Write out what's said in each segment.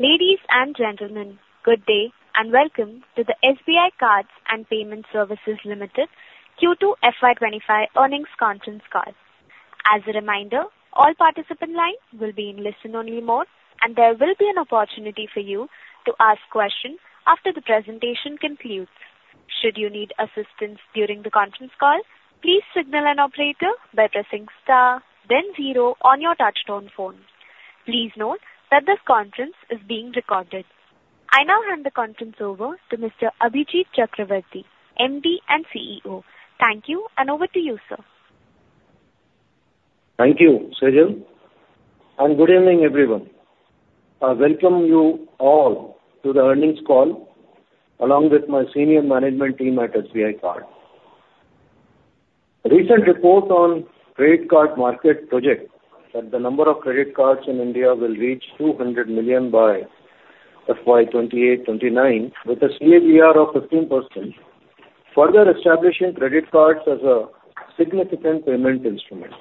Ladies and gentlemen, good day, and welcome to the SBI Cards and Payment Services Limited Q2 FY 2025 earnings conference call. As a reminder, all participant lines will be in listen-only mode, and there will be an opportunity for you to ask questions after the presentation concludes. Should you need assistance during the conference call, please signal an operator by pressing star then zero on your touchtone phone. Please note that this conference is being recorded. I now hand the conference over to Mr. Abhijit Chakravorty, MD and CEO. Thank you, and over to you, sir. Thank you, Sejal, and good evening, everyone. I welcome you all to the earnings call, along with my senior management team at SBI Card. Recent report on credit card market projects that the number of credit cards in India will reach 200 million by FY 2028-2029, with a CAGR of 15%, further establishing credit cards as a significant payment instrument.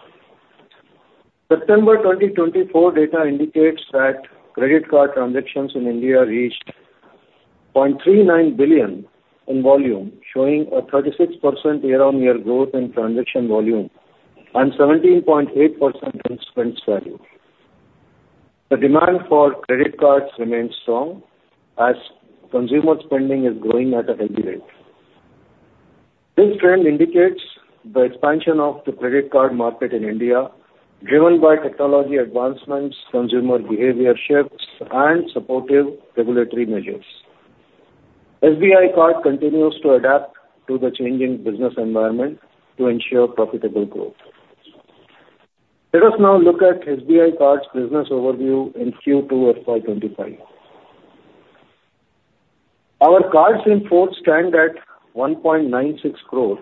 September 2024 data indicates that credit card transactions in India reached 0.39 billion in volume, showing a 36% year-on-year growth in transaction volume and 17.8% in spend value. The demand for credit cards remains strong as consumer spending is growing at a healthy rate. This trend indicates the expansion of the credit card market in India, driven by technology advancements, consumer behavior shifts, and supportive regulatory measures. SBI Card continues to adapt to the changing business environment to ensure profitable growth. Let us now look at SBI Card's business overview in Q2 FY 2025. Our cards in force stand at 1.96 crores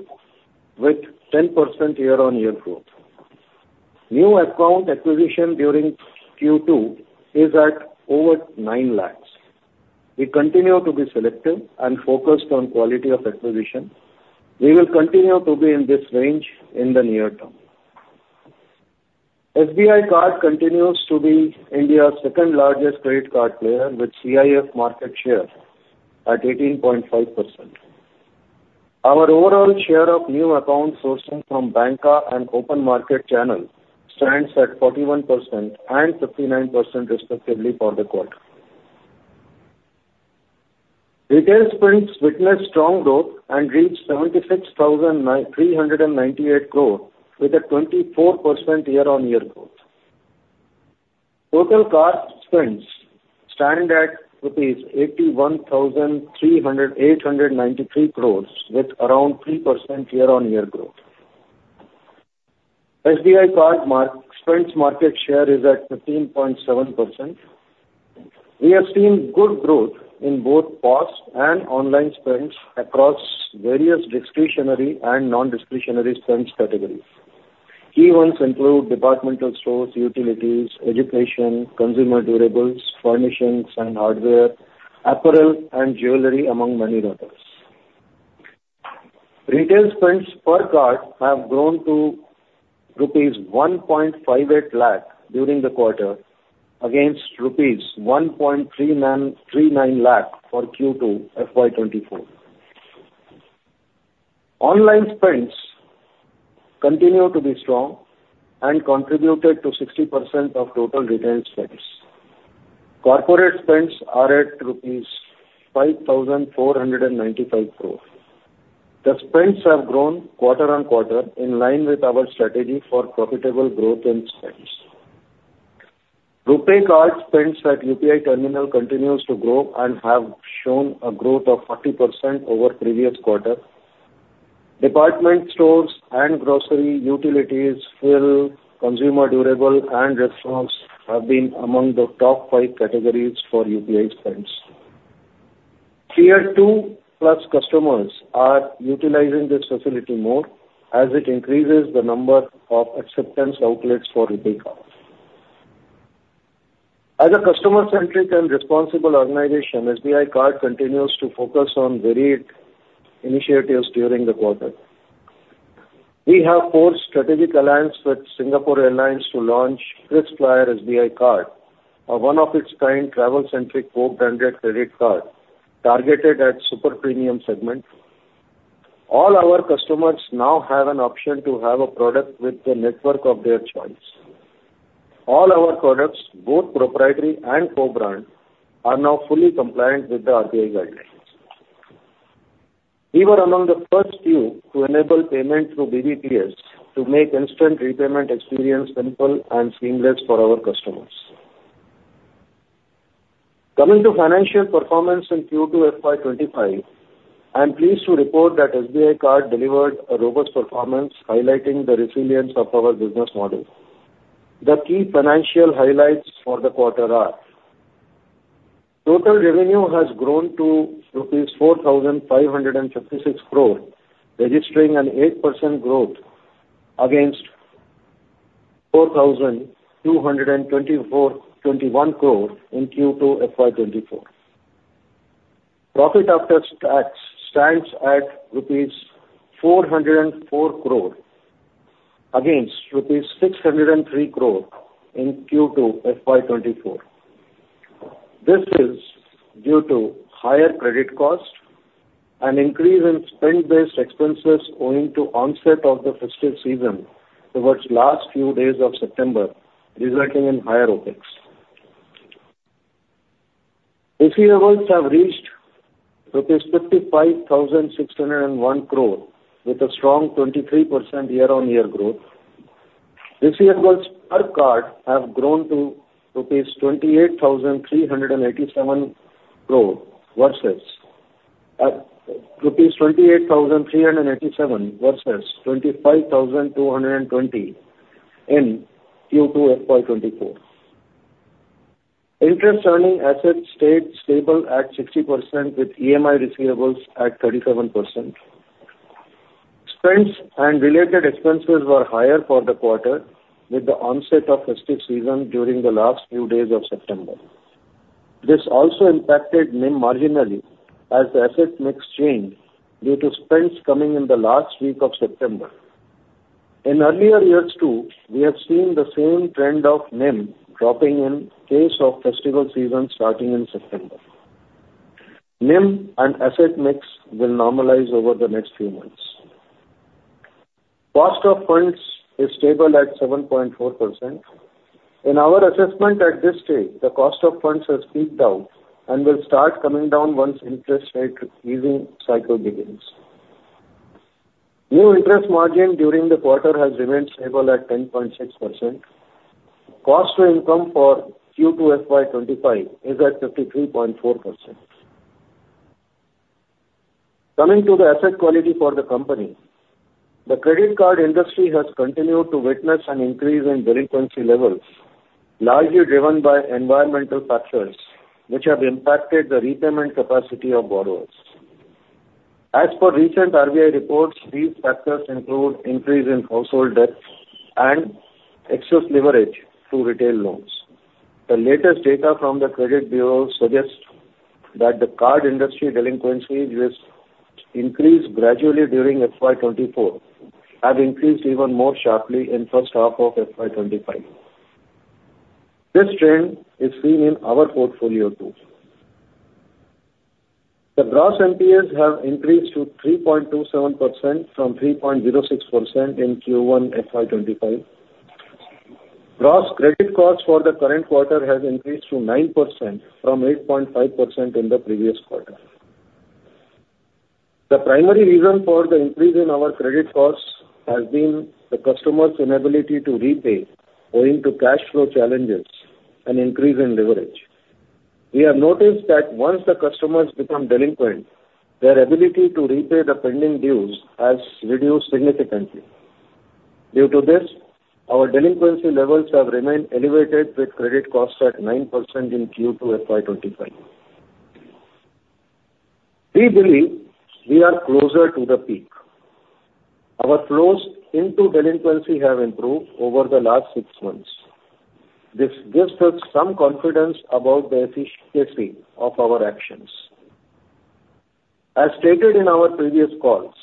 with 10% year-on-year growth. New account acquisition during Q2 is at over 9 lakhs. We continue to be selective and focused on quality of acquisition. We will continue to be in this range in the near-term. SBI Card continues to be India's second-largest credit card player, with CIF market share at 18.5%. Our overall share of new account sourcing from banca and open market channel stands at 41% and 59%, respectively, for the quarter. Retail spends witnessed strong growth and reached 76,398 crores, with a 24% year-on-year growth. Total card spends stand at rupees 81,893 crore, with around 3% year-on-year growth. SBI Card spends market share is at 15.7%. We have seen good growth in both POS and online spends across various discretionary and non-discretionary spends categories. Key ones include departmental stores, utilities, education, consumer durables, furnishings and hardware, apparel and jewelry, among many others. Retail spends per card have grown to rupees 1.58 lakh during the quarter, against rupees 1.39 lakh for Q2 FY 2024. Online spends continue to be strong and contributed to 60% of total retail spends. Corporate spends are at INR 5,495 crore. The spends have grown quarter on quarter, in line with our strategy for profitable growth in spends. RuPay Card spends at UPI terminal continues to grow and have shown a growth of 40% over previous quarter. Department stores and grocery, utilities, fuel, consumer durable, and restaurants have been among the top five categories for UPI spends. Tier 2 plus customers are utilizing this facility more as it increases the number of acceptance outlets for RuPay Card. As a customer-centric and responsible organization, SBI Card continues to focus on varied initiatives during the quarter. We have forged strategic alliance with Singapore Airlines to launch KrisFlyer SBI Card, a one of a kind, travel-centric, co-branded credit card targeted at super premium segment. All our customers now have an option to have a product with the network of their choice. All our products, both proprietary and co-brand, are now fully compliant with the RBI guidelines. We were among the first few to enable payment through BBPS to make instant repayment experience simple and seamless for our customers. Coming to financial performance in Q2 FY 2025, I am pleased to report that SBI Card delivered a robust performance, highlighting the resilience of our business model. The key financial highlights for the quarter are: Total revenue has grown to INR 4,556 crores, registering an 8% growth against INR 4,221 crores in Q2 FY 2024. Profit after tax stands at rupees 404 crore, against rupees 603 crore in Q2 FY 2024. This is due to higher credit cost and increase in spend-based expenses owing to onset of the festive season towards last few days of September, resulting in higher OpEx. Receivables have reached 55,601 crore rupees, with a strong 23% year-on-year growth. Receivables per card have grown to rupees 28,387 crores, versus 25,220 crores in Q2 FY 2024. Interest earning assets stayed stable at 60%, with EMI receivables at 37%. Spends and related expenses were higher for the quarter, with the onset of festive season during the last few days of September. This also impacted NIM marginally, as the asset mix changed due to spends coming in the last week of September. In earlier years, too, we have seen the same trend of NIM dropping in case of festival season starting in September. NIM and asset mix will normalize over the next few months. Cost of funds is stable at 7.4%. In our assessment at this stage, the cost of funds has peaked out and will start coming down once interest rate easing cycle begins. New interest margin during the quarter has remained stable at 10.6%. Cost to income for Q2 FY 2025 is at 53.4%. Coming to the asset quality for the company, the credit card industry has continued to witness an increase in delinquency levels, largely driven by environmental factors, which have impacted the repayment capacity of borrowers. As per recent RBI reports, these factors include increase in household debt and excess leverage through retail loans. The latest data from the credit bureau suggests that the card industry delinquency, which increased gradually during FY 2024, have increased even more sharply in first half of FY 2025. This trend is seen in our portfolio, too. The gross NPAs have increased to 3.27% from 3.06% in Q1 FY 2025. Gross credit costs for the current quarter has increased to 9% from 8.5% in the previous quarter. The primary reason for the increase in our credit costs has been the customer's inability to repay owing to cash flow challenges and increase in leverage. We have noticed that once the customers become delinquent, their ability to repay the pending dues has reduced significantly. Due to this, our delinquency levels have remained elevated, with credit costs at 9% in Q2 FY 2025. We believe we are closer to the peak. Our flows into delinquency have improved over the last six months. This gives us some confidence about the efficiency of our actions. As stated in our previous calls,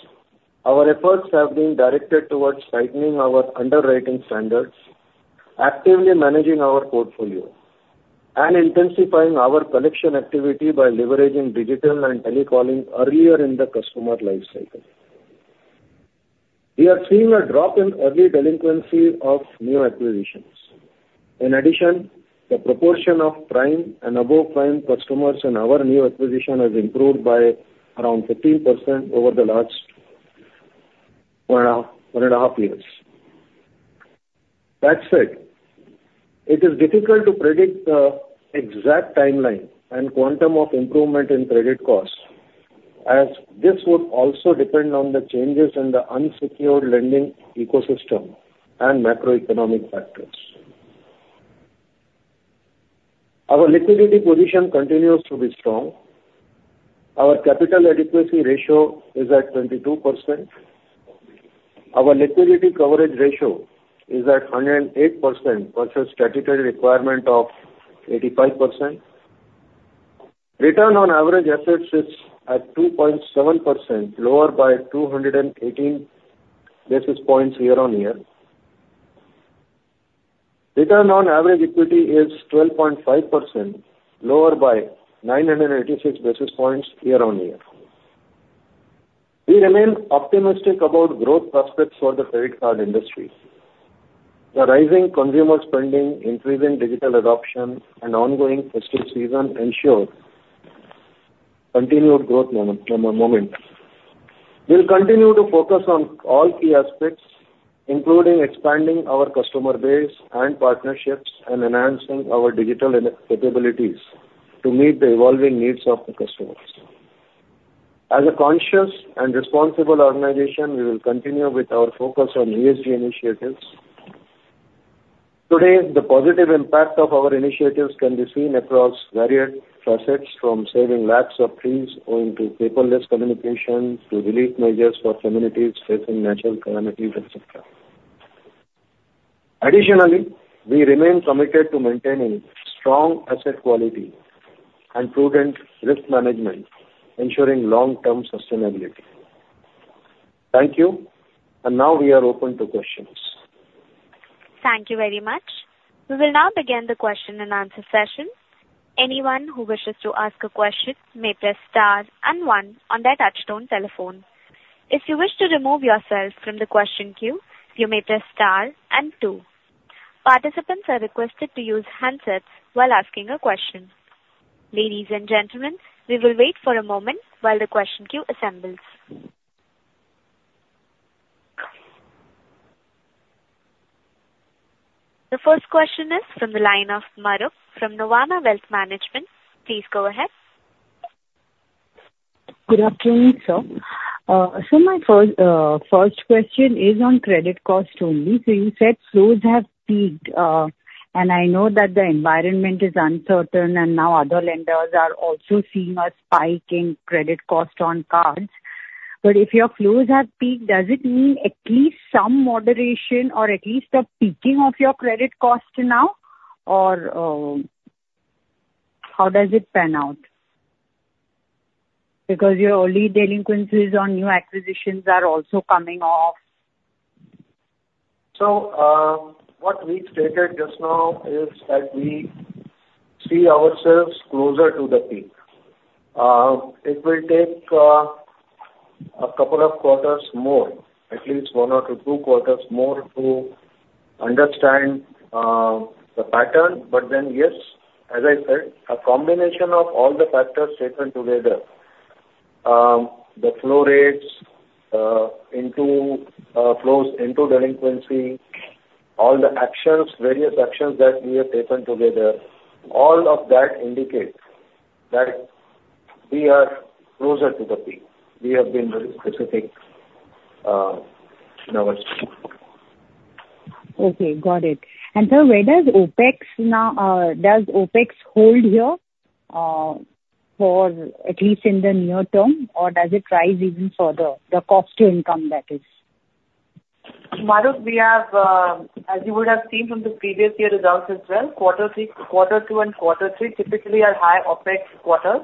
our efforts have been directed towards tightening our underwriting standards, actively managing our portfolio, and intensifying our collection activity by leveraging digital and telecalling earlier in the customer life cycle. We are seeing a drop in early delinquency of new acquisitions. In addition, the proportion of prime and above prime customers in our new acquisition has improved by around 15% over the last one and a half years. That said, it is difficult to predict the exact timeline and quantum of improvement in credit costs, as this would also depend on the changes in the unsecured lending ecosystem and macroeconomic factors. Our liquidity position continues to be strong. Our capital adequacy ratio is at 22%. Our liquidity coverage ratio is at 108% versus statutory requirement of 85%. Return on average assets is at 2.7%, lower by 218 basis points year-on-year. Return on average equity is 12.5%, lower by 986 basis points year-on-year. We remain optimistic about growth prospects for the credit card industry. The rising consumer spending, increasing digital adoption, and ongoing festive season ensure continued growth moment. We'll continue to focus on all key aspects, including expanding our customer base and partnerships, and enhancing our digital capabilities to meet the evolving needs of the customers. As a conscious and responsible organization, we will continue with our focus on ESG initiatives. Today, the positive impact of our initiatives can be seen across varied facets, from saving lakhs of trees, owing to paperless communication, to relief measures for communities facing natural calamities, etc. Additionally, we remain committed to maintaining strong asset quality and prudent risk management, ensuring long-term sustainability. Thank you. And now we are open to questions. Thank you very much. We will now begin the question-and-answer session. Anyone who wishes to ask a question may press star and one on their touchtone telephone. If you wish to remove yourself from the question queue, you may press star and two. Participants are requested to use handsets while asking a question. Ladies and gentlemen, we will wait for a moment while the question queue assembles. The first question is from the line of Mahrukh from Nuvama Wealth Management. Please go ahead. Good afternoon, sir. So my first question is on credit cost only. So you said flows have peaked, and I know that the environment is uncertain, and now other lenders are also seeing a spike in credit cost on cards. But if your flows have peaked, does it mean at least some moderation or at least a peaking of your credit cost now? Or, how does it pan out? Because your early delinquencies on new acquisitions are also coming off. What we stated just now is that we see ourselves closer to the peak. It will take a couple of quarters more, at least one or two quarters more, to understand the pattern. But then, yes, as I said, a combination of all the factors taken together, the flow rates into delinquency, all the actions, various actions that we have taken together, all of that indicates that we are closer to the peak. We have been very specific in our statement. Okay, got it. And, sir, where does OpEx now... does OpEx hold here, for at least in the near-term, or does it rise even further, the cost to income, that is? Mahrukh, we have, as you would have seen from the previous year results as well, quarter two and quarter three typically are high OpEx quarters,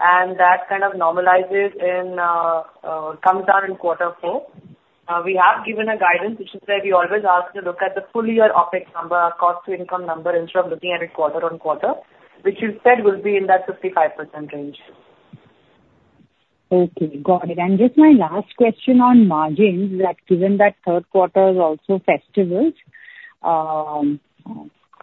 and that kind of normalizes in quarter four, comes down in quarter four. We have given a guidance, which is that we always ask to look at the full year OpEx number, our cost to income number, instead of looking at it quarter on quarter, which we said will be in that 55% range. Okay, got it. And just my last question on margins, like, given that third quarter is also festivals,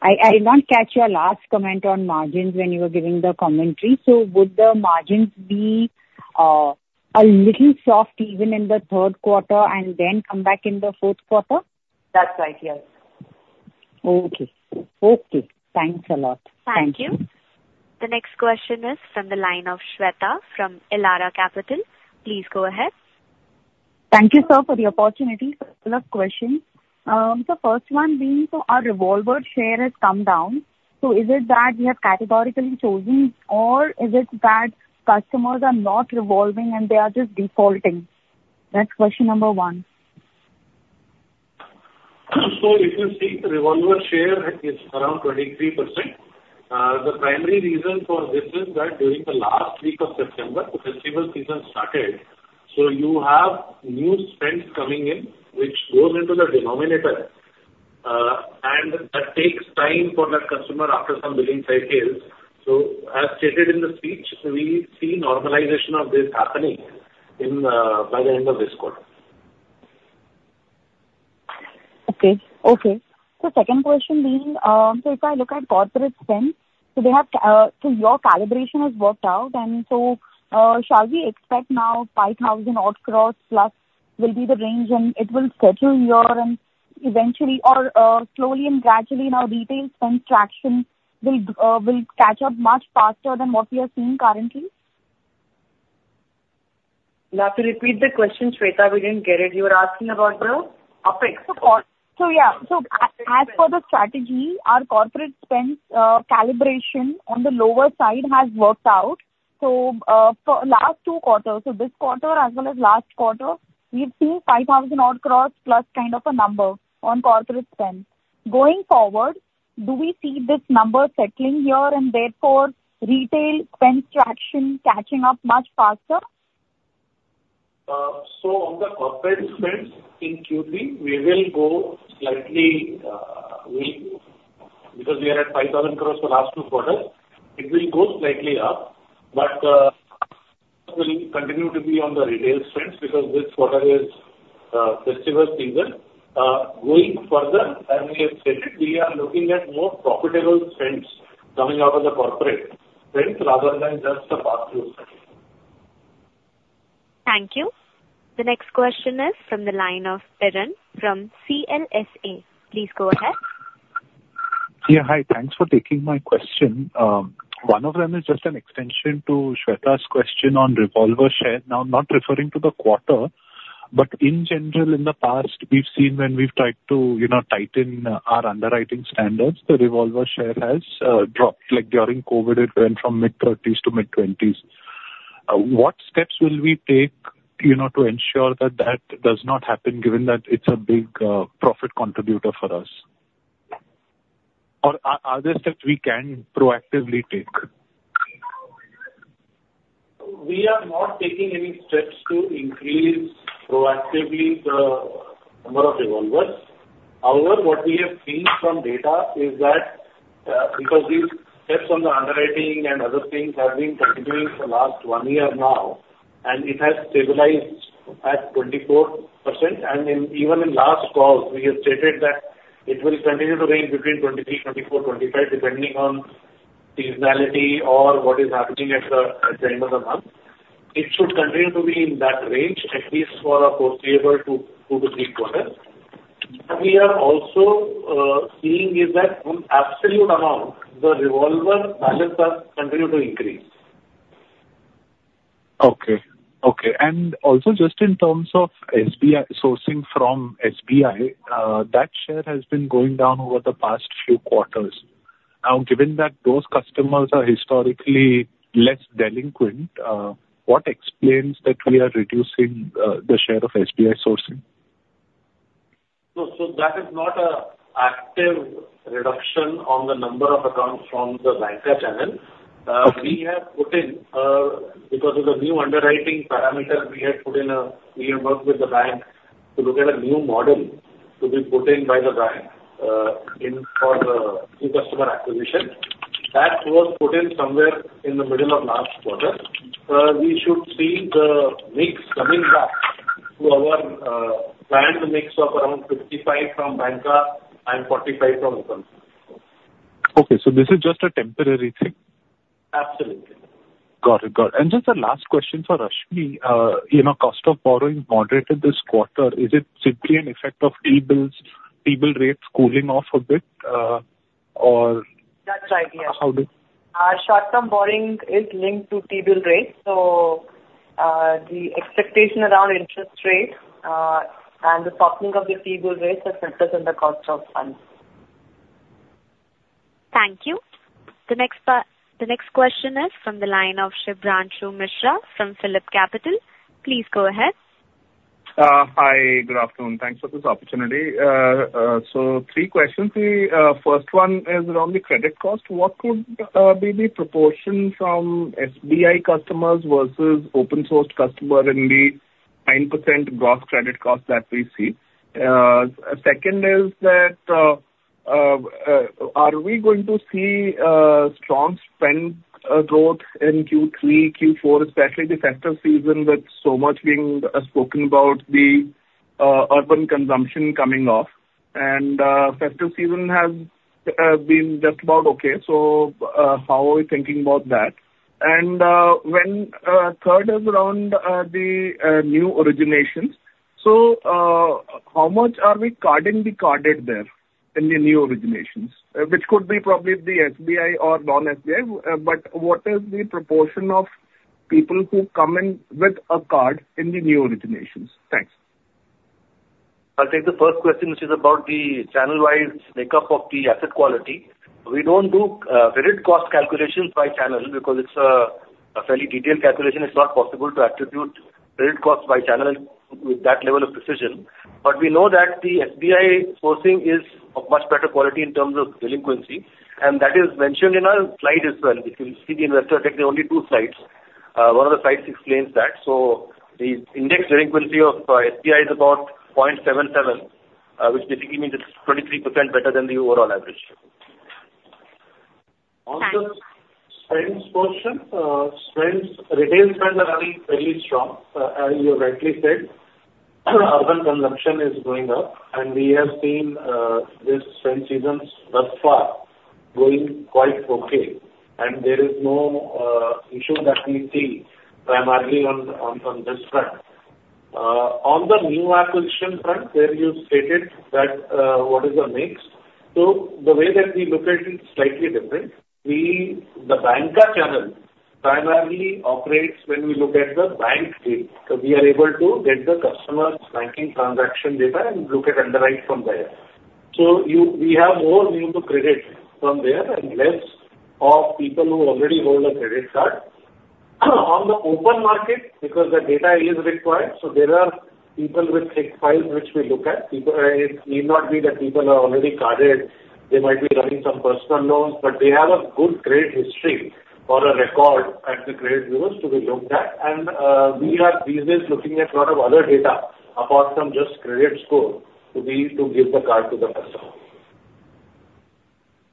I did not catch your last comment on margins when you were giving the commentary. So would the margins be a little soft even in the third quarter and then come back in the fourth quarter? That's right. Yes. Okay. Thanks a lot. Thank you. The next question is from the line of Shweta from Elara Capital. Please go ahead. Thank you, sir, for the opportunity. Couple of questions. The first one being, so our revolver share has come down, so is it that we have categorically chosen, or is it that customers are not revolving and they are just defaulting? That's question number one. So if you see, revolver share is around 23%. The primary reason for this is that during the last week of September, the festival season started, so you have new spends coming in, which goes into the denominator, and that takes time for that customer after some billing cycles. So as stated in the speech, we see normalization of this happening in by the end of this quarter. Okay. Okay. So second question being, so if I look at corporate spends, so they have, so your calibration has worked out, and so, shall we expect now 5,000+ crores will be the range and it will settle here and eventually or, slowly and gradually now retail spend traction will catch up much faster than what we are seeing currently? You'll have to repeat the question, Shweta. We didn't get it. You were asking about the OpEx? So yeah. So as for the strategy, our corporate spends, calibration on the lower side has worked out. So, for last two quarters, so this quarter as well as last quarter, we've seen 5,000+ crores kind of a number on corporate spend. Going forward, do we see this number settling here and therefore retail spend traction catching up much faster? So on the corporate spends in Q3, we will go slightly. Because we are at 5,000 crores the last two quarters, it will go slightly up, but will continue to be on the retail spends, because this quarter is festival season. Going further, as we have stated, we are looking at more profitable spends coming out of the corporate spends rather than just the past year. Thank you. The next question is from the line of Kiran from CLSA. Please go ahead. Yeah, hi. Thanks for taking my question. One of them is just an extension to Shweta's question on revolver share. Now, I'm not referring to the quarter, but in general, in the past, we've seen when we've tried to, you know, tighten our underwriting standards, the revolver share has dropped. Like, during COVID, it went from mid-thirties to mid-twenties. What steps will we take, you know, to ensure that that does not happen, given that it's a big profit contributor for us? Or are there steps we can proactively take? We are not taking any steps to increase proactively the number of revolvers. However, what we have seen from data is that because these steps on the underwriting and other things have been continuing for the last one year now, and it has stabilized at 24%. And even in last call, we have stated that it will continue to range between 23%-25%, depending on seasonality or what is happening at the end of the month. It should continue to be in that range, at least for a foreseeable two to three quarters. What we are also seeing is that in absolute amount, the revolver balances are continue to increase. Okay. Okay, and also just in terms of SBI, sourcing from SBI, that share has been going down over the past few quarters. Now, given that those customers are historically less delinquent, what explains that we are reducing the share of SBI sourcing? No, so that is not an active reduction on the number of accounts from the Banca channel. Because of the new underwriting parameters, we have worked with the bank to look at a new model to be put in by the bank in for the new customer acquisition. That was put in somewhere in the middle of last quarter. We should see the mix coming back to our planned mix of around 55% from Banca and 45% from Open. Okay, so this is just a temporary thing? Absolutely. Got it, got it. And just a last question for Rashmi. You know, cost of borrowing moderated this quarter. Is it simply an effect of T-bills, T-bill rates cooling off a bit. That's right, yes. How does? Our short-term borrowing is linked to T-bill rate, so the expectation around interest rate and the softening of the T-bill rates has helped us in the cost of funds. Thank you. The next question is from the line of Shubhranshu Mishra from PhillipCapital. Please go ahead. Hi, good afternoon. Thanks for this opportunity. So three questions. The first one is around the credit cost. What could be the proportion from SBI customers versus open-sourced customers in the 9% gross credit cost that we see? Second is that, are we going to see strong spend growth in Q3, Q4, especially the festive season, with so much being spoken about the urban consumption coming off? And festive season has been just about okay, so how are we thinking about that? And third is around the new originations. So how much are we targeting the carded there in the new originations? Which could be probably the SBI or non-SBI, but what is the proportion of people who come in with a card in the new originations? Thanks. I'll take the first question, which is about the channel-wide makeup of the asset quality. We don't do credit cost calculations by channel because it's a fairly detailed calculation. It's not possible to attribute credit cost by channel with that level of precision. But we know that the SBI sourcing is of much better quality in terms of delinquency, and that is mentioned in our slide as well. If you see the investor deck, there are only two slides. One of the slides explains that. So the index delinquency of SBI is about 0.77, which basically means it's 23% better than the overall average. On the spends portion, spends, retail spends are running fairly strong. As you rightly said, urban consumption is going up, and we have seen this spend seasons thus far going quite okay, and there is no issue that we see primarily on this front. On the new acquisition front, where you stated that what is the mix? So the way that we look at it is slightly different. We, the Banca channel primarily operates when we look at the bank data. So we are able to get the customer's banking transaction data and underwrite from there. So we have more new to credit from there and less of people who already hold a credit card. On the open market, because the data is required, so there are people with thick files which we look at. People. It need not be that people are already carded. They might be running some personal loans, but they have a good credit history or a record at the credit bureaus to be looked at. We are these days looking at a lot of other data apart from just credit score, to give the card to the customer.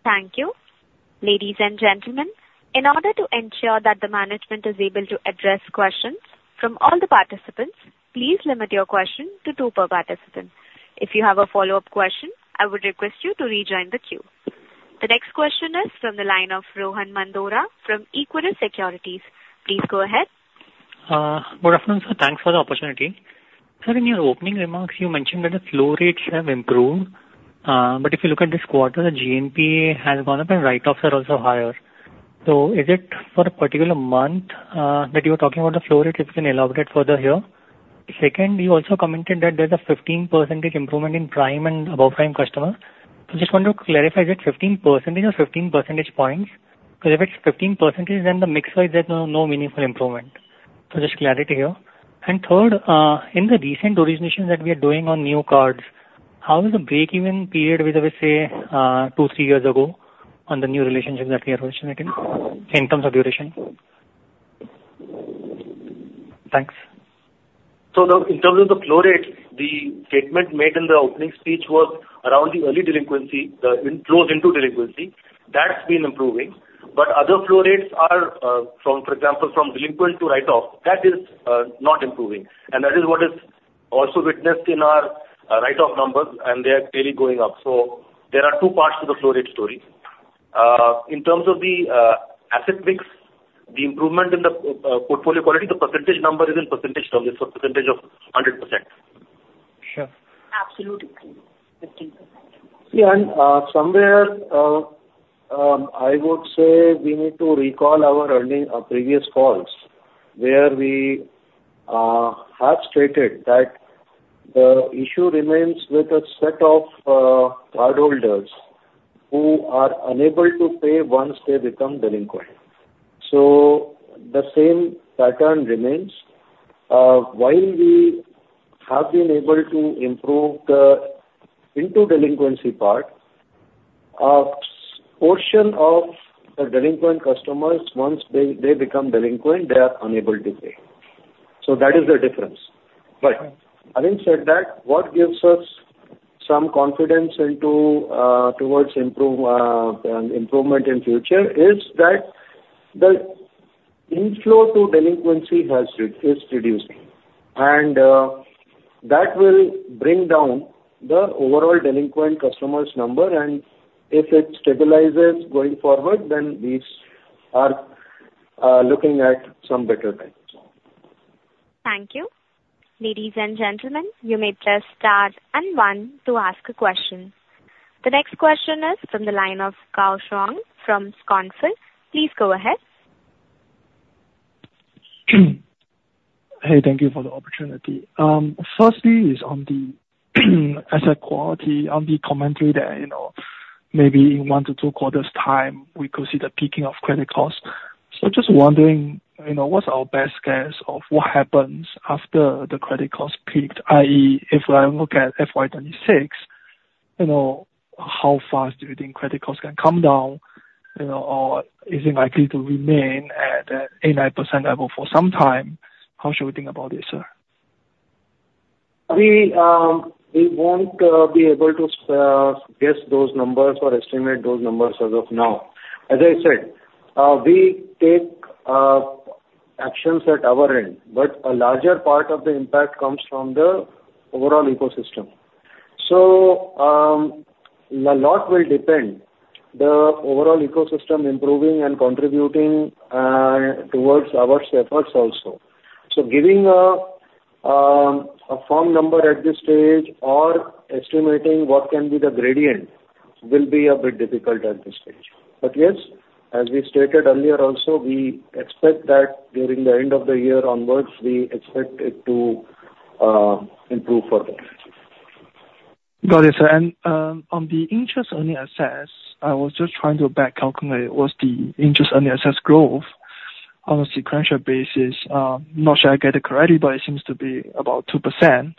Thank you. Ladies and gentlemen, in order to ensure that the management is able to address questions from all the participants, please limit your question to two per participant. If you have a follow-up question, I would request you to rejoin the queue. The next question is from the line of Rohan Mandora from Equirus Securities. Please go ahead. Good afternoon, sir. Thanks for the opportunity. Sir, in your opening remarks, you mentioned that the flow rates have improved, but if you look at this quarter, the GNPA has gone up and write-offs are also higher. So is it for a particular month that you were talking about the flow rate? If you can elaborate further here. Second, you also commented that there's a 15% improvement in prime and above prime customer. So just wanted to clarify, is it 15% or 15 percentage points? Because if it's 15%, then the mix, is there no, no meaningful improvement. So just clarity here. And third, in the recent originations that we are doing on new cards, how is the break even period with, say, two, three years ago on the new relationships that we are originating, in terms of duration? Thanks. So, in terms of the flow rates, the statement made in the opening speech was around the early delinquency, the inflows into delinquency. That's been improving, but other flow rates are from, for example, from delinquent to write-off, that is not improving. And that is what is also witnessed in our write-off numbers, and they are clearly going up. So there are two parts to the flow rate story. In terms of the asset mix, the improvement in the portfolio quality, the percentage number is in percentage terms, so percentage of 100%. Sure. Absolutely. 15%. Yeah, and somewhere I would say we need to recall our earnings previous calls, where we have stated that the issue remains with a set of cardholders who are unable to pay once they become delinquent. So the same pattern remains. While we have been able to improve the into delinquency part, a portion of the delinquent customers, once they become delinquent, they are unable to pay. So that is the difference. Having said that, what gives us some confidence into towards an improvement in future is that the inflow to delinquency is reducing. That will bring down the overall delinquent customers number, and if it stabilizes going forward, then we are looking at some better times. Thank you. Ladies and gentlemen, you may press star and one to ask a question. The next question is from the line of Kaushik from Kotak Securities. Please go ahead. Hey, thank you for the opportunity. Firstly, is on the asset quality, on the commentary that, you know, maybe in one to two quarters' time, we could see the peaking of credit costs. So just wondering, you know, what's our best guess of what happens after the credit cost peaked? I.e., if I look at FY 2026, you know, how fast do you think credit costs can come down? You know, or is it likely to remain at 8, 9% level for some time? How should we think about this, sir? We won't be able to guess those numbers or estimate those numbers as of now. As I said, we take actions at our end, but a larger part of the impact comes from the overall ecosystem. So, a lot will depend the overall ecosystem improving and contributing towards our efforts also. So giving a firm number at this stage or estimating what can be the gradient will be a bit difficult at this stage. But yes, as we stated earlier also, we expect that during the end of the year onwards, we expect it to improve further. Got it, sir. And, on the interest on the assets, I was just trying to back calculate what's the interest on the assets growth on a sequential basis. I'm not sure I get it correctly, but it seems to be about 2%,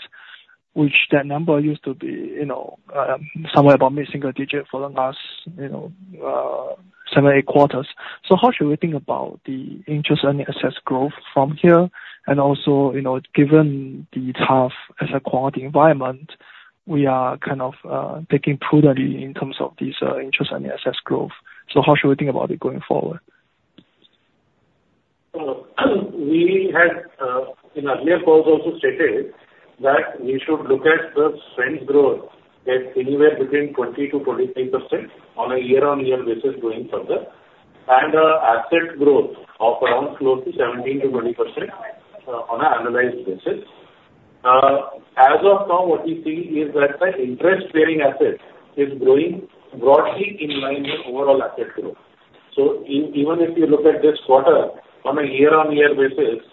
which that number used to be, you know, somewhere about mid-single digit for the last, you know, seven, eight quarters. So how should we think about the interest on the assets growth from here? And also, you know, given the tough asset quality environment, we are kind of taking prudently in terms of these interest on the assets growth. So how should we think about it going forward? We had, in earlier calls also stated that we should look at the spend growth at anywhere between 20%-23% on a year-on-year basis going further, and, asset growth of around close to 17%-20%, on an annualized basis. As of now, what we see is that the interest-bearing asset is growing broadly in line with overall asset growth. So even if you look at this quarter, on a year-on-year basis,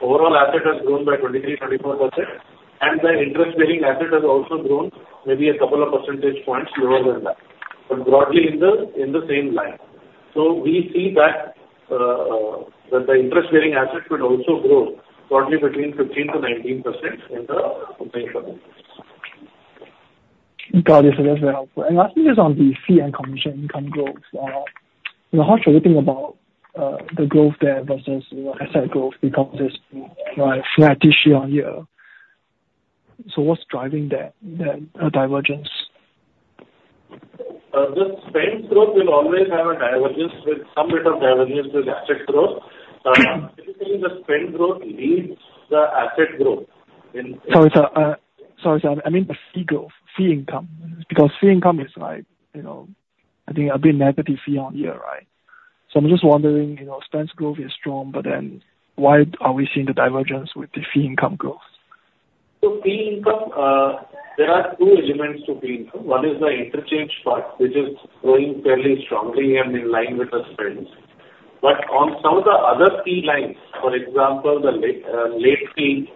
overall asset has grown by 23%-24%, and the interest-bearing asset has also grown maybe a couple of percentage points lower than that, but broadly in the same line. So we see that, that the interest-bearing asset will also grow broadly between 15%-19% in the coming quarters. Got it. That's very helpful. And last thing is on the fee and commission income growth. You know, how should we think about the growth there versus, you know, asset growth, because there's like flat year-on-year. So what's driving that divergence? The spend growth will always have some bit of divergence with asset growth. Typically, the spend growth leads the asset growth. Sorry, sir, I mean the fee growth, fee income. Because fee income is like, you know, I think a bit negative fee income here, right? So I'm just wondering, you know, spends growth is strong, but then why are we seeing the divergence with the fee income growth? So fee income, there are two elements to fee income. One is the interchange part, which is growing fairly strongly and in line with the spends. But on some of the other fee lines, for example, the late fee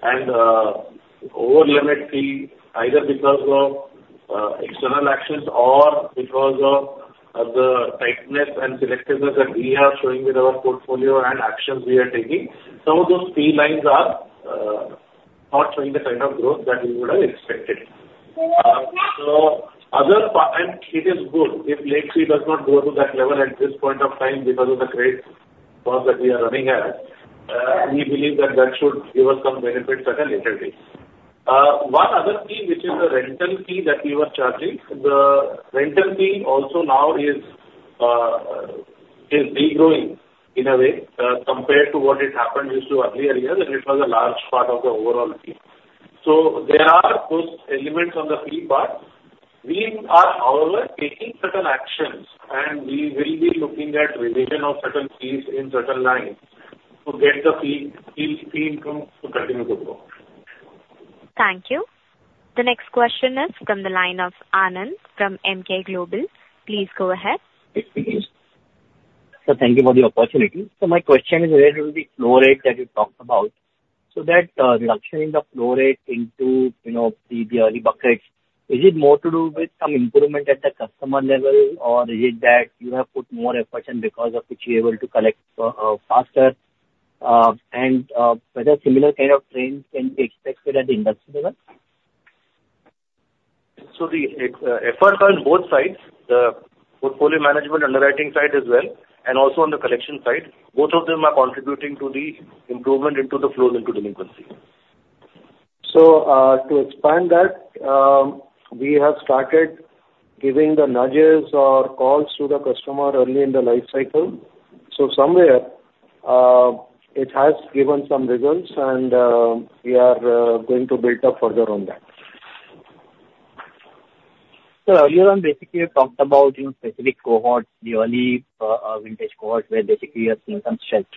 and over limit fee, either because of external actions or because of the tightness and selectiveness that we are showing with our portfolio and actions we are taking, some of those fee lines are not showing the kind of growth that we would have expected. And it is good if late fee does not go to that level at this point of time because of the growth path that we are running at. We believe that that should give us some benefits at a later date. One other fee, which is the rental fee that we were charging, the rental fee also now is, is de-growing in a way, compared to what it happened in so early years, and it was a large part of the overall fee. So there are those elements on the fee part. We are, however, taking certain actions, and we will be looking at revision of certain fees in certain lines to get the fee income to continue to grow. Thank you. The next question is from the line of Anand from Emkay Global. Please go ahead. Sir, thank you for the opportunity. So my question is related to the flow rate that you talked about. So that reduction in the flow rate into, you know, the early buckets, is it more to do with some improvement at the customer level? Or is it that you have put more efforts and because of which you're able to collect faster, and whether similar kind of trends can be expected at the industry level? The efforts are on both sides, the portfolio management underwriting side as well, and also on the collection side. Both of them are contributing to the improvement into the flows into delinquency. So, to expand that, we have started giving the nudges or calls to the customer early in the life cycle. So somewhere, it has given some results, and we are going to build up further on that. Earlier on, basically, you talked about your specific cohorts, the early vintage cohorts, where basically you have seen some strength.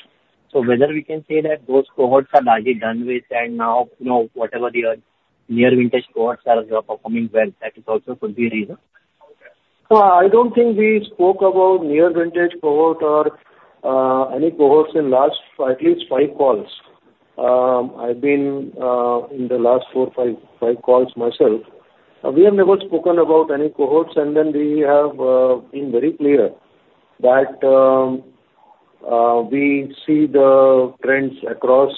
So whether we can say that those cohorts are largely done with, and now, you know, whatever the near vintage cohorts are, are performing well, that is also could be a reason? I don't think we spoke about new vintage cohort or any cohorts in last at least five calls. I've been in the last four, five calls myself. We have never spoken about any cohorts, and then we have been very clear that we see the trends across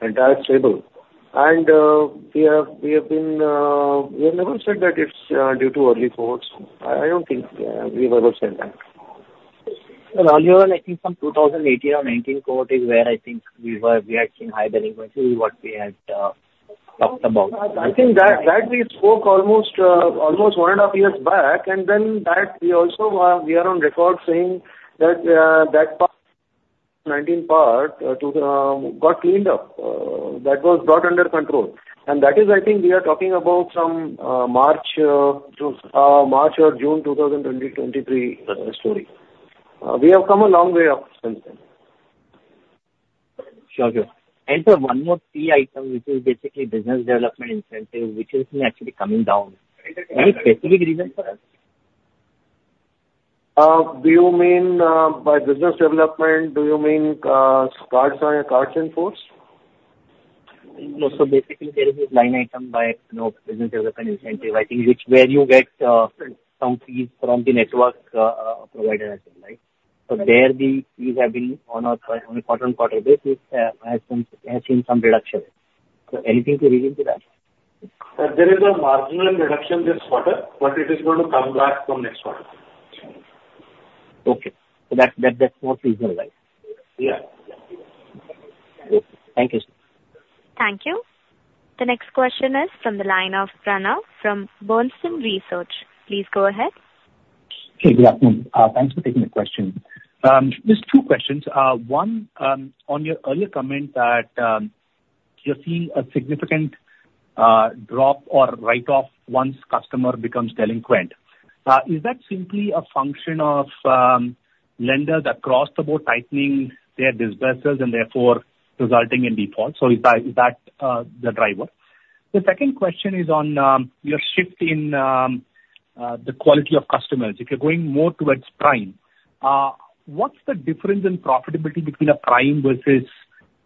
entire table. We have never said that it's due to early cohorts. I don't think we've ever said that. But earlier on, I think from 2018, 2019 cohort is where I think we were, we had seen high delinquency, what we had talked about. I think that we spoke almost one and a half years back, and then that we also are on record saying that that FY 2019,FY 2020 got cleaned up. That was brought under control, and that is, I think we are talking about from March or June 2023 story. We have come a long way up since then. Sure. And so one more key item, which is basically business development incentive, which is actually coming down. Any specific reason for that? By business development, do you mean cards in force? No. So basically, there is a line item by, you know, business development incentive, I think, which where you get some fees from the network provider, I think, right? So there, the fees have been on a quarter-on-quarter basis, has seen some reduction. So anything to read into that? There is a marginal reduction this quarter, but it is going to come back from next quarter. Okay. So that's more seasonal, right? Yeah. Thank you. Thank you. The next question is from the line of Pranav from Bernstein Research. Please go ahead. Hey, good afternoon. Thanks for taking the question. Just two questions. One, on your earlier comment that, you're seeing a significant drop or write-off once customer becomes delinquent. Is that simply a function of lenders across the board tightening their disbursements and therefore resulting in defaults? So is that the driver? The second question is on your shift in the quality of customers. If you're going more towards prime, what's the difference in profitability between a prime versus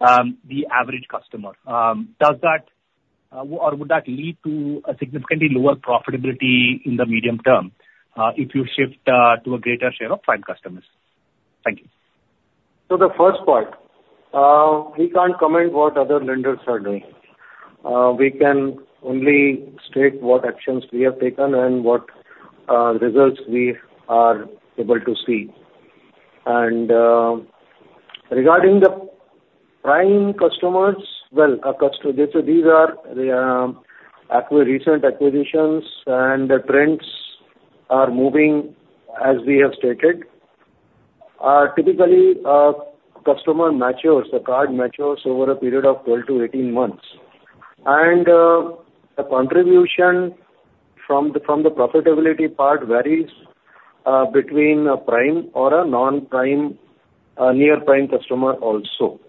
the average customer? Would that lead to a significantly lower profitability in the medium term if you shift to a greater share of prime customers? Thank you. The first part, we can't comment what other lenders are doing. We can only state what actions we have taken and what results we are able to see. Regarding the prime customers, well, these are recent acquisitions, and the trends are moving as we have stated. Typically, customer matures, the card matures over a period of 12-18 months, and the contribution from the profitability part varies between a prime or a non-prime, near-prime customer also.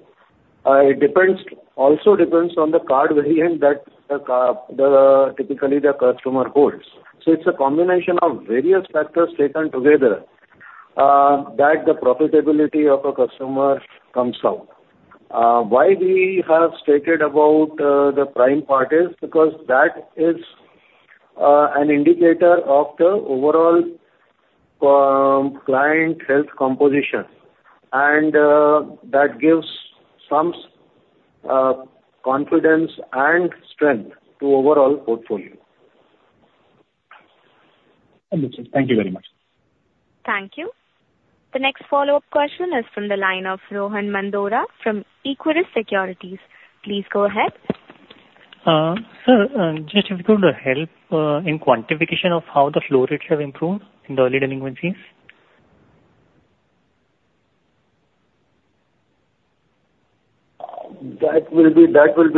Also depends on the card variant that the, typically the customer holds. It's a combination of various factors taken together that the profitability of a customer comes out. Why we have stated about the prime part is because that is an indicator of the overall client health composition, and that gives some confidence and strength to overall portfolio. Understood. Thank you very much. Thank you. The next follow-up question is from the line of Rohan Mandora from Equirus Securities. Please go ahead. Sir, just if you could help in quantification of how the flow rates have improved in the early delinquencies? That will be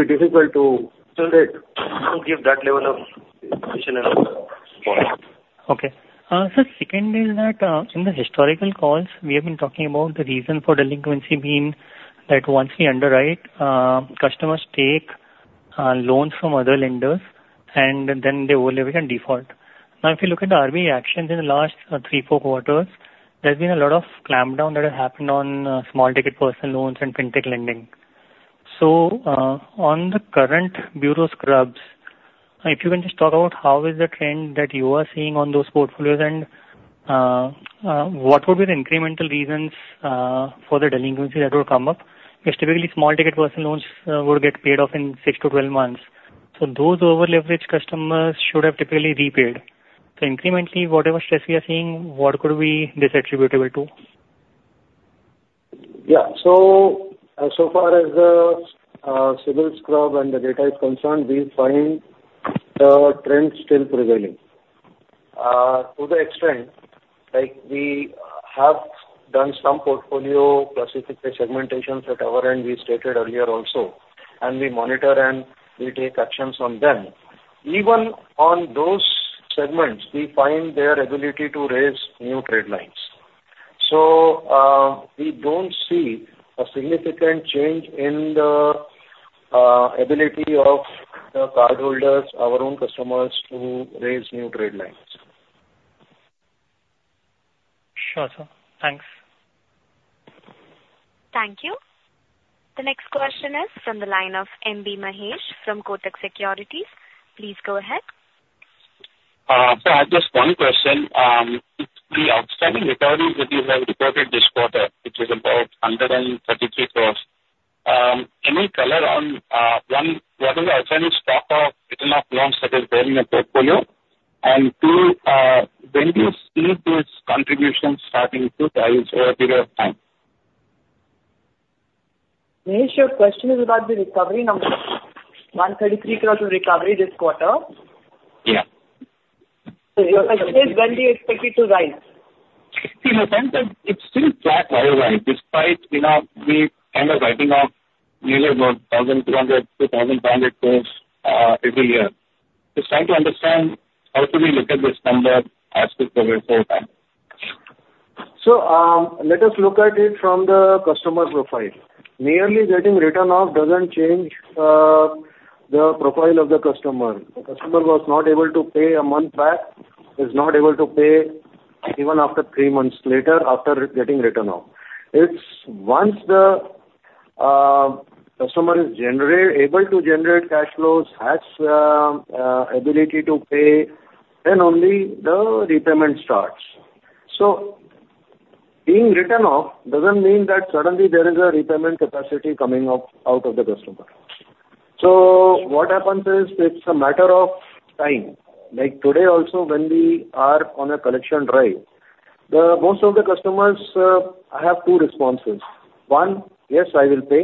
difficult to give that level of detail at the moment. Okay. Sir, second is that, in the historical calls, we have been talking about the reason for delinquency being that once we underwrite, customers take, loans from other lenders, and then they overleverage and default. Now, if you look at the RBI actions in the last, three, four quarters, there's been a lot of clampdown that has happened on, small ticket personal loans and fintech lending. So, on the current bureau scrubs, if you can just talk about how is the trend that you are seeing on those portfolios and, what would be the incremental reasons, for the delinquency that will come up? Because typically, small ticket personal loans, would get paid off in six to 12 months. So those over-leveraged customers should have typically repaid. So incrementally, whatever stress we are seeing, what could we be attributable to? Yeah. So, so far as the CIBIL score and the data is concerned, we find the trend still prevailing. To the extent, like, we have done some portfolio specific segmentations at our end, we stated earlier also, and we monitor and we take actions on them. Even on those segments, we find their ability to raise new trade lines. So, we don't see a significant change in the ability of the cardholders, our own customers, to raise new trade lines. Sure, sir. Thanks. Thank you. The next question is from the line of M B Mahesh from Kotak Securities. Please go ahead. I have just one question. The outstanding recoveries that you have reported this quarter, which is about 133 crores, any color on one, what is the outstanding stock of written-off loans that is there in your portfolio? And two, when do you see those contributions starting to rise over a period of time? Mahesh, your question is about the recovery numbers, 133 crores in recovery this quarter? Yeah. So your question is, when do you expect it to rise? In a sense that it's still flat or low, right, despite, you know, we kind of writing off nearly about 1,200 crore-1,500 crore every year. Just trying to understand how should we look at this number as we progress over time. So, let us look at it from the customer profile. Merely getting written off doesn't change the profile of the customer. The customer was not able to pay a month back, is not able to pay even after three months later, after getting written off. It's once the customer is able to generate cash flows, has ability to pay, then only the repayment starts. So being written off doesn't mean that suddenly there is a repayment capacity coming up out of the customer. So what happens is, it's a matter of time. Like today also, when we are on a collection drive, the most of the customers have two responses. One, "Yes, I will pay."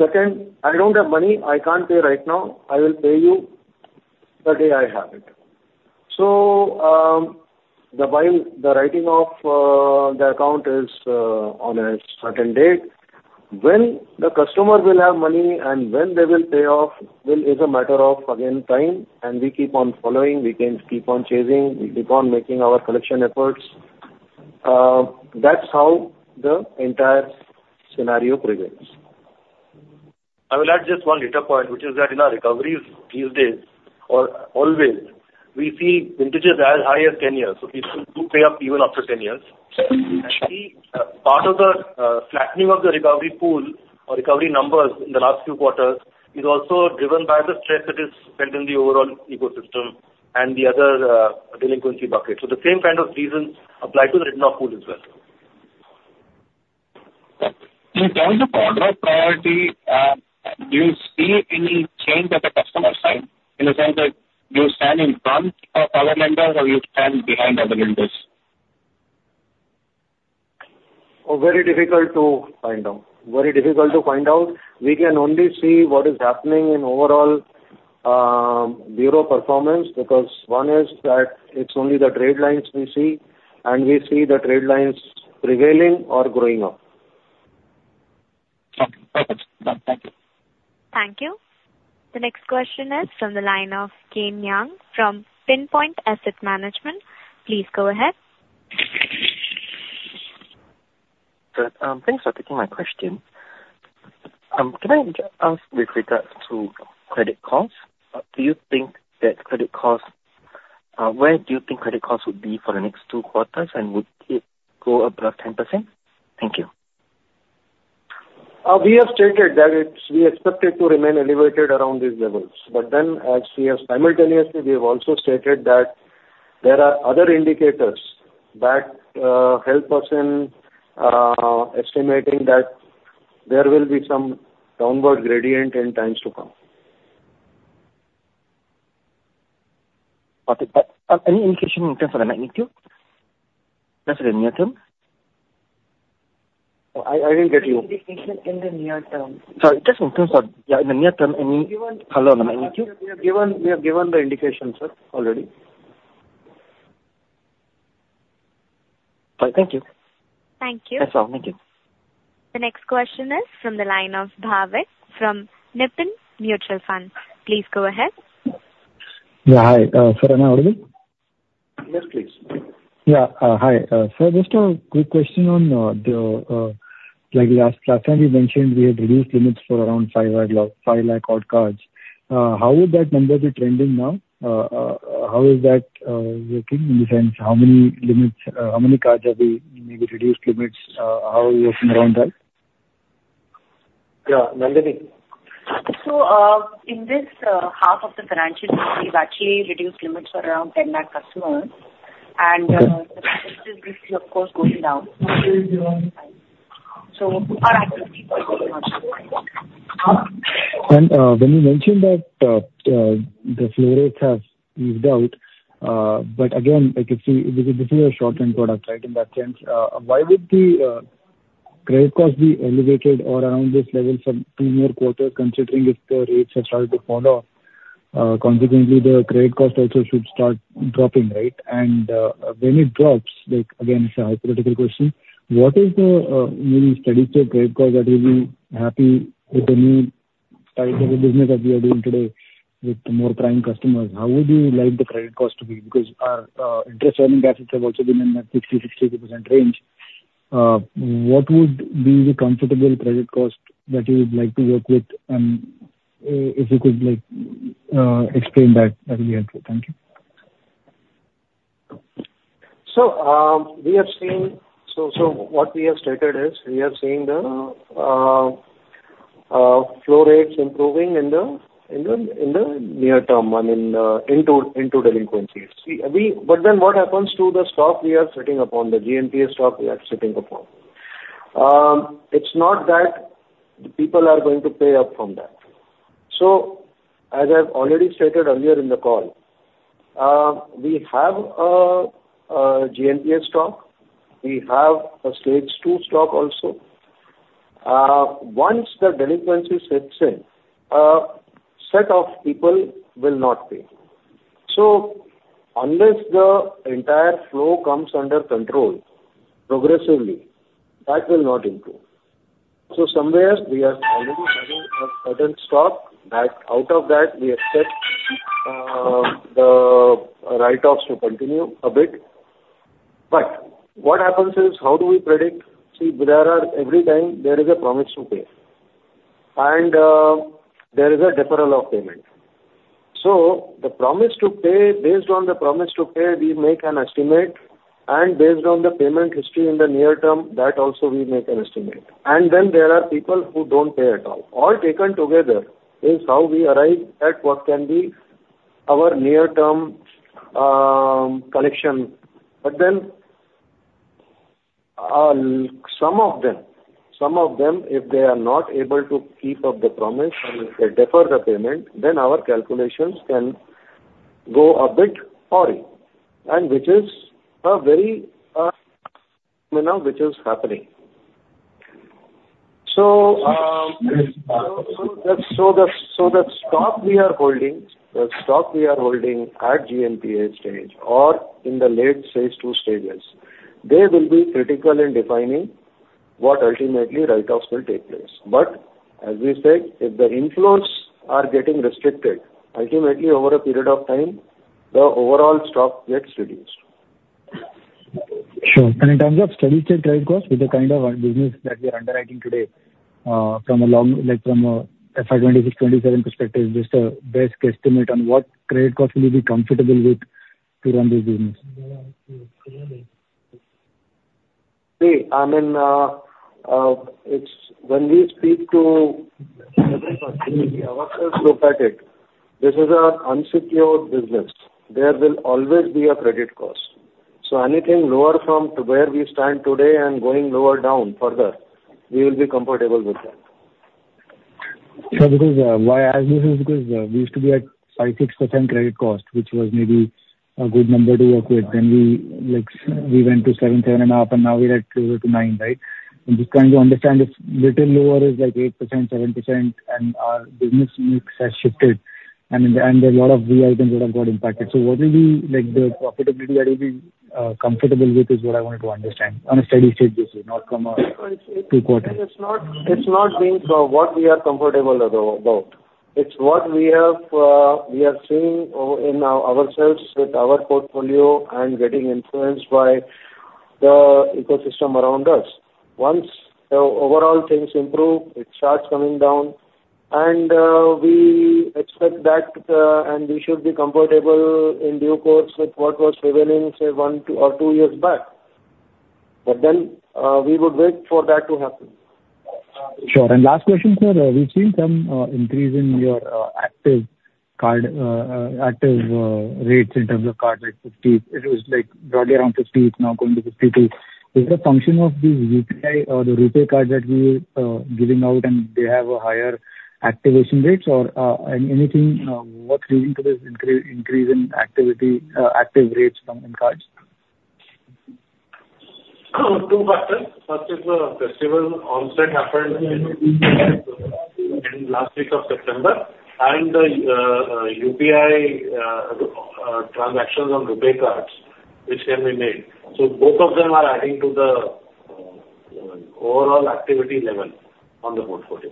Second, "I don't have money. I can't pay right now. I will pay you the day I have it." So, while the writing off the account is on a certain date, when the customer will have money and when they will pay off is a matter of, again, time, and we keep on following, we can keep on chasing, we keep on making our collection efforts. That's how the entire scenario prevails. I will add just one data point, which is that in our recoveries these days or always, we see vintages as high as 10 years, so people do pay up even after 10 years. And the part of the flattening of the recovery pool or recovery numbers in the last few quarters is also driven by the stress that is felt in the overall ecosystem and the other delinquency buckets. So the same kind of reasons apply to the written-off pool as well. In terms of order of priority, do you see any change at the customer side, in the sense that you stand in front of other lenders or you stand behind other lenders? Very difficult to find out. We can only see what is happening in overall bureau performance, because one is that it's only the trade lines we see, and we see the trade lines prevailing or growing up. Okay. Done. Thank you. Thank you. The next question is from the line of Ken Ang from Pinpoint Asset Management. Please go ahead. Good. Thanks for taking my question. Can I ask with regards to credit costs. Where do you think credit costs will be for the next two quarters, and would it go above 10%? Thank you. We have stated that it's, we expect it to remain elevated around these levels. But then, as we have simultaneously, we have also stated that there are other indicators that help us in estimating that there will be some downward gradient in times to come. Okay. Any indication in terms of the magnitude? Just in the near-term? I didn't get you. Indication in the near-term. Sorry, just in terms of, yeah, in the near-term, any color on the magnitude? We have given the indication, sir, already. Fine. Thank you. Thank you. The next question is from the line of Bhavik from Nippon Mutual Fund. Please go ahead. Yeah, hi. Sir, am I audible? Yes, please. Yeah. Hi. So just a quick question on the, like, last time you mentioned we had reduced limits for around 5 larkh odd cards. How would that number be trending now? How is that working in the sense, how many limits, how many cards have we maybe reduced limits? How are we working around that? Yeah, Nandini? In this half of the financial year, we've actually reduced limits for around ten lakh customers, and this is of course going down. And when you mentioned that, the flow rates have eased out, but again, like if we, because this is a short-term product, right? In that sense, why would the credit cost be elevated or around this level for two more quarters, considering if the rates have started to fall now, consequently, the credit cost also should start dropping, right? And when it drops, like again, it's a hypothetical question: What is the new steady state credit cost that you will be happy with the new type of business that we are doing today with more prime customers? How would you like the credit cost to be? Because our interest earning deposits have also been in the 60%-62% range. What would be the comfortable credit cost that you would like to work with? If you could, like, explain that, that would be helpful. Thank you. So what we have stated is, we are seeing the flow rates improving in the near-term and into delinquencies. But then what happens to the stock we are sitting upon, the GNPA stock we are sitting upon? It's not that people are going to pay up from that. So, as I've already stated earlier in the call, we have a GNPA stock. We have a stage two stock also. Once the delinquency sets in, a set of people will not pay. So unless the entire flow comes under control progressively, that will not improve. So somewhere we are already having a certain stock, that out of that, we expect the write-offs to continue a bit. But what happens is, how do we predict? See, there are, every time there is a promise to pay, and there is a deferral of payment. So the promise to pay, based on the promise to pay, we make an estimate, and based on the payment history in the near-term, that also we make an estimate. And then there are people who don't pay at all. All taken together is how we arrive at what can be our near-term collection. But then, some of them, some of them, if they are not able to keep up the promise and they defer the payment, then our calculations can go a bit awry, and which is a very, you know, which is happening. The stock we are holding at GNPA stage or in the late stage, two stages, they will be critical in defining what ultimately write-offs will take place. But as we said, if the inflows are getting restricted, ultimately over a period of time, the overall stock gets reduced. Sure. And in terms of steady state credit cost, with the kind of business that we are underwriting today, from a long, like from a FY 2026, 2027 perspective, just a best estimate on what credit cost will you be comfortable with to run this business? See, I mean, it's when we speak to how we look at it, this is an unsecured business. There will always be a credit cost. So anything lower from where we stand today and going lower down further, we will be comfortable with that. Sure. Because why I ask this is because we used to be at 5%-6% credit cost, which was maybe a good number to work with. Then we, like, we went to 7%, 7.5%, and now we're at closer to 9%, right? And just trying to understand if little lower is like 8%, 7%, and our business mix has shifted, and a lot of fee items that have got impacted. So what will be, like, the profitability that you'll be comfortable with is what I wanted to understand on a steady state basis, not from a two quarter. It's not, it's not being what we are comfortable about. It's what we have. We are seeing in our portfolio and getting influenced by the ecosystem around us. Once the overall things improve, it starts coming down, and we expect that, and we should be comfortable in due course with what was prevailing, say, one or two years back. But then, we would wait for that to happen. Sure. And last question, sir. We've seen some increase in your active card rates in terms of card, like 50%. It was, like, broadly around 50%, it's now going to 52%. Is it a function of the UPI or the RuPay cards that we giving out, and they have a higher activation rates? Or anything, what's leading to this increase in activity, active rates from in cards? Two factors. First is the festival onset happened in last week of September, and the UPI transactions on RuPay cards, which can be made. So both of them are adding to the overall activity level on the portfolio.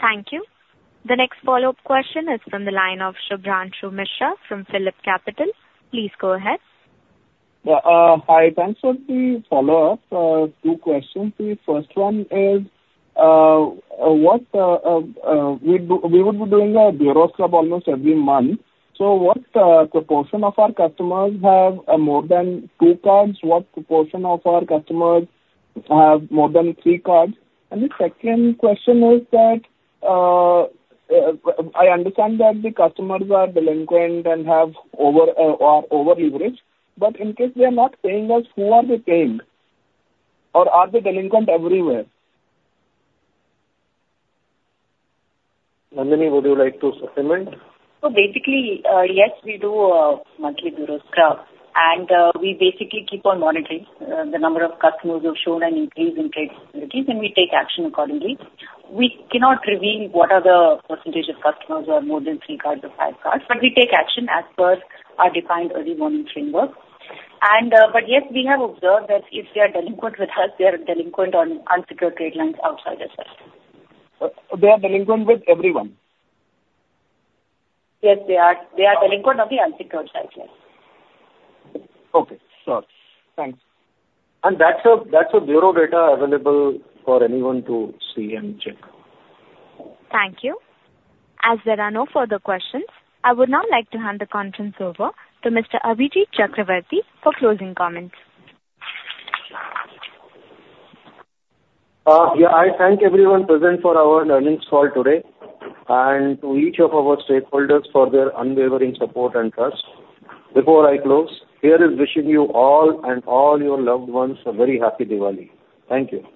Thank you. The next follow-up question is from the line of Shubhranshu Mishra from PhillipCapital. Please go ahead. Yeah, hi. Thanks for the follow-up. Two questions, please. First one is, we would be doing a bureau scrub almost every month, so what proportion of our customers have more than two cards? What proportion of our customers have more than three cards? And the second question is that, I understand that the customers are delinquent and have over, are over-leveraged, but in case they are not paying us, who are they paying? Or are they delinquent everywhere? Nandini, would you like to supplement? Basically, yes, we do monthly bureau scrub, and we basically keep on monitoring the number of customers who have shown an increase in credit facilities, and we take action accordingly. We cannot reveal what are the percentage of customers who have more than three cards or five cards, but we take action as per our defined early warning framework. Yes, we have observed that if they are delinquent with us, they are delinquent on unsecured credit lines outside as well. They are delinquent with everyone? Yes, they are. They are delinquent on the unsecured side, yes. Okay, sure. Thanks. And that's bureau data available for anyone to see and check. Thank you. As there are no further questions, I would now like to hand the conference over to Mr. Abhijit Chakravorty for closing comments. I thank everyone present for our earnings call today and to each of our stakeholders for their unwavering support and trust. Before I close, here is wishing you all and all your loved ones a very happy Diwali. Thank you.